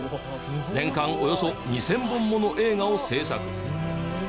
年間およそ２０００本もの映画を制作。